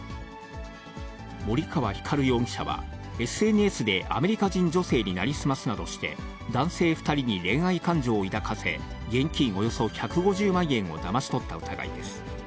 森川光容疑者は、ＳＮＳでアメリカ人女性に成り済ますなどして男性２人に恋愛感情を抱かせ、現金およそ１５０万円をだまし取った疑いです。